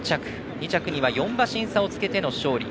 ２着には４馬身差をつけての勝利。